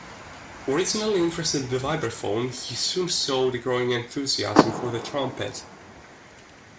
Originally interested in the vibraphone, he soon showed a growing enthusiasm for the trumpet.